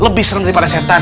lebih serem daripada setan